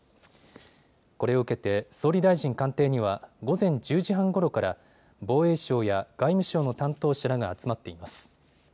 これを受けて総理大臣官邸には午前１０時半ごろから防衛省や外務省の担当者らが集まっています。